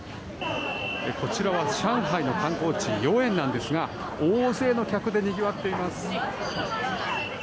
こちらは上海の観光地豫園なんですが大勢の客でにぎわっています。